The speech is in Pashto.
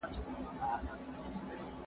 بېبلاغته پیغام خپل ژوند له لاسه ورکوي.